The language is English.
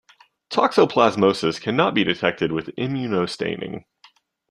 Toxoplasmosis cannot be detected with immunostaining.